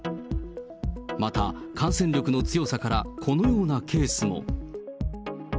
また、感染力の強さからこのようなケースも。